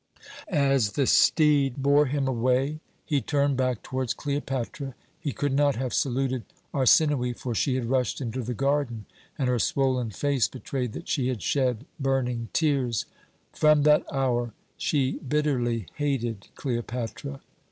"As the steed bore him away, he turned back towards Cleopatra; he could not have saluted Arsinoë, for she had rushed into the garden, and her swollen face betrayed that she had shed burning tears. "From that hour she bitterly hated Cleopatra.